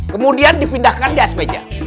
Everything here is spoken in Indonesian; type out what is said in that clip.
kemudian dipindahkan di atas meja